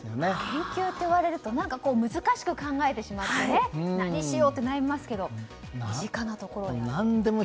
研究といわれると難しく考えてしまって何しようと悩みますけど身近なところを選んでね。